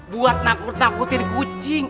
buat nakut nakutin kucing